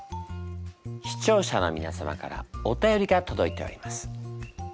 視聴者の皆様からお便りがとどいております。